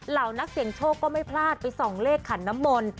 เหล่านักเสี่ยงโชคก็ไม่พลาดไปส่องเลขขันน้ำมนต์